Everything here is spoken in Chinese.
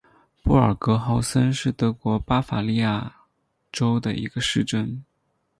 布尔格豪森是德国巴伐利亚州的一个市镇。